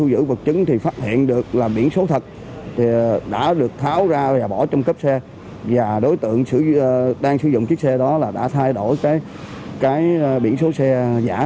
điều đang sử dụng chiếc xe đó là đã thay đổi cái biển số xe giả